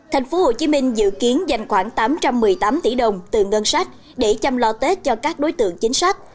tp hcm dự kiến dành khoảng tám trăm một mươi tám tỷ đồng từ ngân sách để chăm lo tết cho các đối tượng chính sách